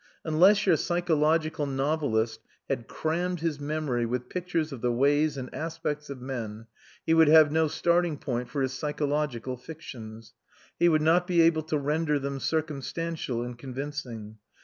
Unless your psychological novelist had crammed his memory with pictures of the ways and aspects of men he would have no starting point for his psychological fictions; he would not be able to render them circumstantial and convincing.